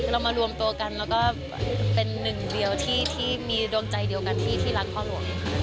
เรามารวมตัวกันแล้วก็เป็นหนึ่งเดียวที่มีดวงใจเดียวกันที่รักพ่อหลวง